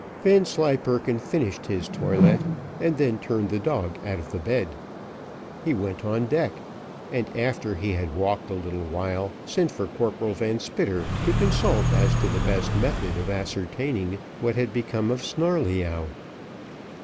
Vanslyperken finished his toilet, and then turned the dog out of the bed. He went on deck, and after he had walked a little while, sent for Corporal Van Spitter to consult as to the best method of ascertaining what had become of Snarleyyow.